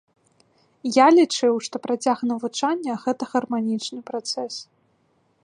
Я лічыў, што працяг навучання гэта гарманічны працэс.